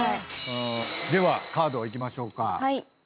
ではカードいきましょうか。